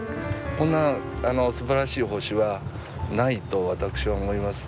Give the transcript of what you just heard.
こんなすばらしい星はないと私は思います。